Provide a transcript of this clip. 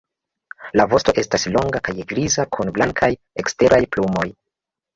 La vosto estas longa kaj griza kun blankaj eksteraj plumoj.